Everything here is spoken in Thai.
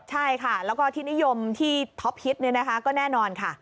ใช่ค่ะแล้วก็ที่นิยมที่ท็อปฮิตก็แน่นอนค่ะ